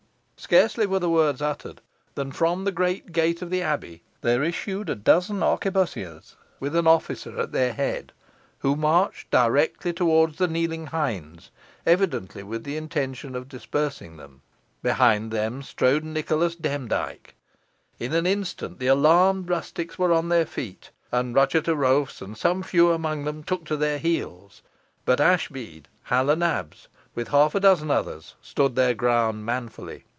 Scarcely were the words uttered than from the great gate of the abbey there issued a dozen arquebussiers with an officer at their head, who marched directly towards the kneeling hinds, evidently with the intention of dispersing them. Behind them strode Nicholas Demdike. In an instant the alarmed rustics were on their feet, and Ruchot o' Roaph's, and some few among them, took to their heels, but Ashbead, Hal o' Nabs, with half a dozen others, stood their ground manfully.